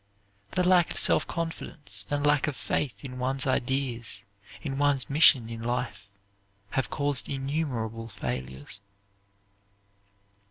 The lack of self confidence and lack of faith in one's ideas in one's mission in life have caused innumerable failures.